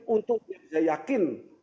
untuk bisa yakin